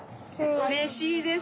うれしいです。